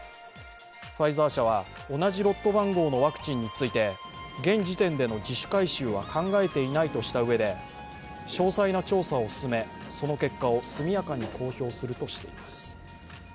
ファイザー社は、同じロット番号のワクチンについて現時点での自主回収は考えていないとしたうえで詳細な調査を進め、その結果を速やかに公表するとしています。